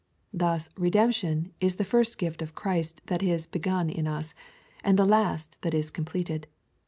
Thus redemption is the first gift of Christ that is begun in us, and the last that is completed.